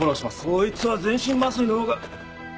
こいつは全身麻酔の方が。